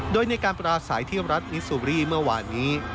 โดยในการปราศัยที่รัฐมิซูรีเมื่อวานนี้